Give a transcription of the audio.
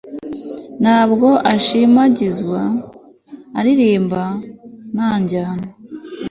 ntabwo ashimangira, aririmba nta njyana